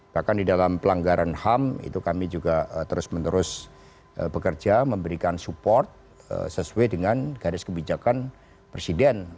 bahkan di dalam pelanggaran ham itu kami juga terus menerus bekerja memberikan support sesuai dengan garis kebijakan presiden